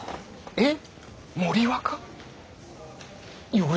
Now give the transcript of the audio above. えっ？